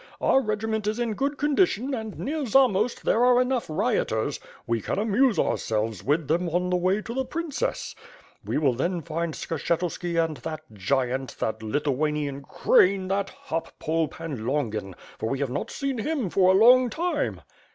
Our regiment is in good condition and near Zamost there are enough rioters; we can amuse ourselves with them on the way to the princess. We will then find Skshetuski and that giant, that Lithuanian crane, that hop pole, Pan Longin, we have not seen him for a long time."